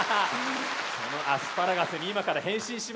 このアスパラガスに今から変身しますよ。